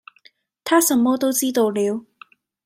他什麼都知道了